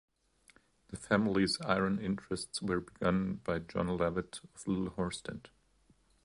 The family's iron interests were begun by John Levett of Little Horsted.